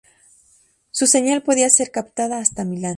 Su señal podía ser captada hasta Milán.